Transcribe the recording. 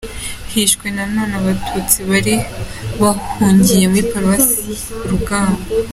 Hishwe na none Abatutsi bari bahungiye kuri Paruwasi Rugango.